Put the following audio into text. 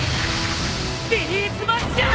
ビリースマッシャー！